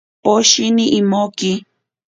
Poshini imoki.